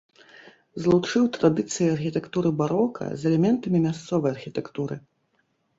Злучыў традыцыі архітэктуры барока з элементамі мясцовай архітэктуры.